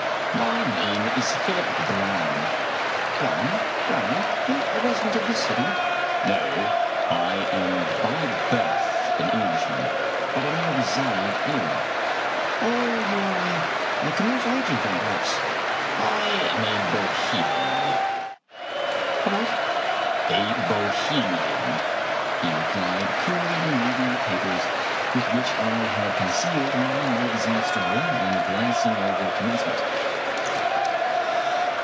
"" My name is Philip Brann." "Brann? Brann? A resident of this city?" " No. I am by birth an Englishman, but I never reside anywhere." "Oh, you are a commercial agent, then, perhaps?" " I am a Bohemian." "A what?" " A Bohemian," he repeated, coolly removing the papers with which I had concealed my magazine story, and glanc ing over the commencement.